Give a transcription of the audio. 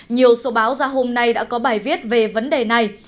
nhiều số báo ra hôm nay đã có bài viết về vấn đề này